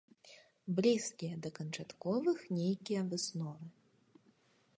Блізкія да канчатковых нейкія высновы.